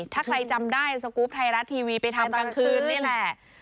ถ้าใครจำได้สกรูปไทยรัฐทีวีไปทำกลางคืนนี่แหละ